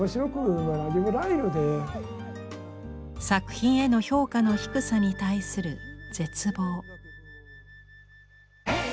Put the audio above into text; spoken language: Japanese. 作品への評価の低さに対する絶望。